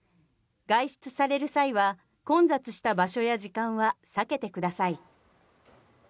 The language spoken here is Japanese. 外出される際は混雑した場所や時間は避けてください。